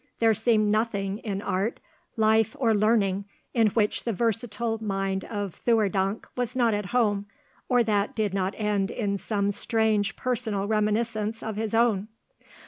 There seemed nothing in art, life, or learning in which the versatile mind of Theurdank was not at home, or that did not end in some strange personal reminiscence of his own.